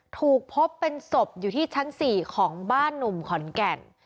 ถูกพบเป็นศพอยู่ที่ชั้น๔ของบ้านหนุ่มขอนแก่น